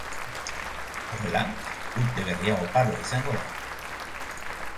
Horrela, urte berria oparoa izango da.